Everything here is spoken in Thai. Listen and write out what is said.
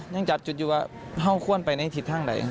ยังจับจุดอยู่ว่า่างควรไปไม่ทิศทั้งใด